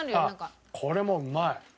あっこれもうまい！